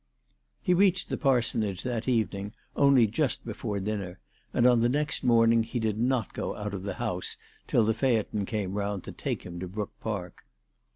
He reached the parsonage that evening only just before dinner, and on the next morning he did not go out of the house till the phaeton came round to take him to Brook Park.